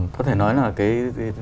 có thể nói là cái